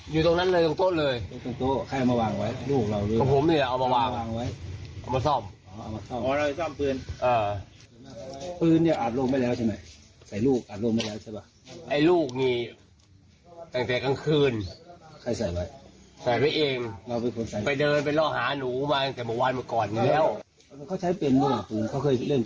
ดูยินเคยยิงเคยยินเคยเล่น